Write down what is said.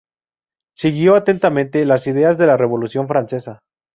Siguió atentamente las ideas de la Revolución francesa.